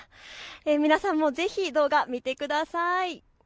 皆さんもぜひ動画、見てください。